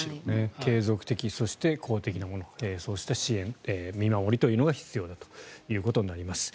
継続的、そして公的なものそうした支援、見守りというのが必要だということになります。